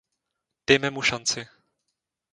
Dejme mu šanci.